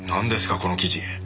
この記事。